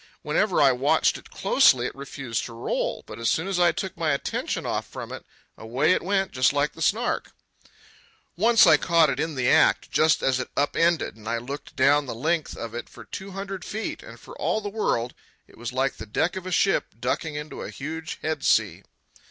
Whenever I watched it closely, it refused to roll; but as soon as I took my attention off from it, away it went, just like the Snark. Once, I caught it in the act, just as it upended, and I looked down the length of it for two hundred feet, and for all the world it was like the deck of a ship ducking into a huge head sea.